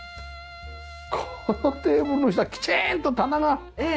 このテーブルの下きちんと棚があって。